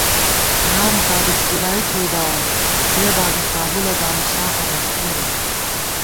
نام طالِبکِلائی تھوئیداوون ݪے باگاں کا بُلہ دامُس سافہ ڈبَکَئ بَمان